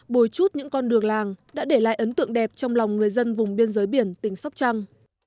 bồi chút những con đường làng đã để lại ấn tượng đẹp trong lòng người dân vùng biên giới biển tỉnh sóc trăng